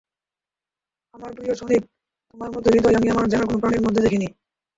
আমার প্রিয় সনিক, তোমার মত হৃদয় আমি আমার জানা কোন প্রাণীর মধ্যে দেখিনি।